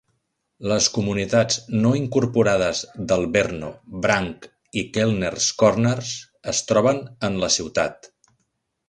Les comunitats no incorporades d'Alverno, Branch i Kellners Corners es troben en la ciutat.